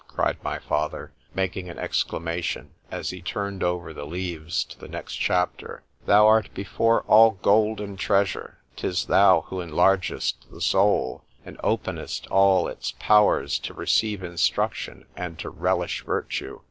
cried my father, making an exclamation, as he turned over the leaves to the next chapter, thou art before all gold and treasure; 'tis thou who enlargest the soul,—and openest all its powers to receive instruction and to relish virtue.